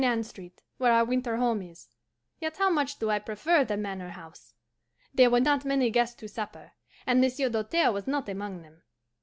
Anne Street, where our winter home is yet how much do I prefer the Manor House! There were not many guests to supper, and Monsieur Doltaire was not among them.